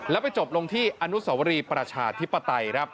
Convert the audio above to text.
แล้วไปจบลงที่อนุสวรีประชาธิปไตยครับ